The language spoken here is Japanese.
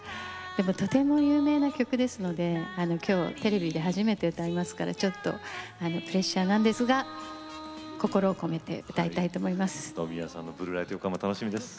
とても有名な曲ですので今日テレビで初めて歌いますからちょっとプレッシャーなんですが心を込めて歌いたいと思います。